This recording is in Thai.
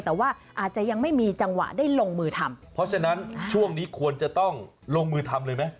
แต่ว่าอาจจะยังไม่มีจังหวะได้ลงมือทำเพราะฉะนั้นช่วงนี้ควรจะต้องลงมือทำเลยไหม